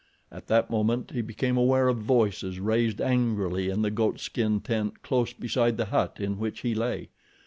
At that moment he became aware of voices raised angrily in the goatskin tent close beside the hut in which he lay.